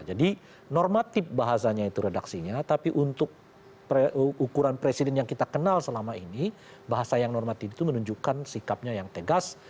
jadi normatif bahasanya itu redaksinya tapi untuk ukuran presiden yang kita kenal selama ini bahasa yang normatif itu menunjukkan sikapnya yang tegas